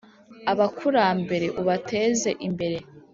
Abakurambere ubateze imbere